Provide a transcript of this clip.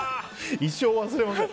一生忘れません。